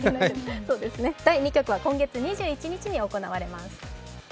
第２局は今月２１日に行われます。